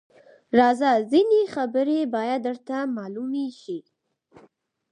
_راځه! ځينې خبرې بايد درته مالومې شي.